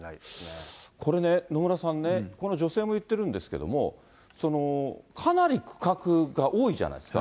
これね、野村さんね、この女性も言ってるんですけれども、かなり区画が多いじゃないですか。